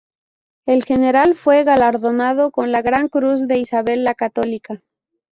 El General fue galardonado con la Gran Cruz de Isabel la Católica.